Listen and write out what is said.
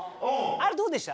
あれどうでした？